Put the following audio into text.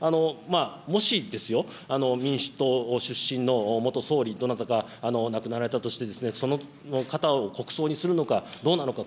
もしですよ、民主党出身の元総理、どなたかが亡くなられたとして、その方を国葬にするのか、どうなのか。